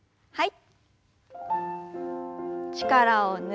はい。